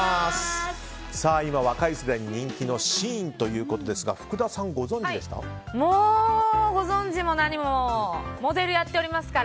今、若い世代に人気のＳＨＥＩＮということですが福田さんご存じでしたか？